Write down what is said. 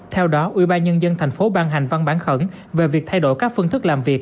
theo đó ủy ban nhân dân thành phố ban hành văn bản khẩn về việc thay đổi các phương thức làm việc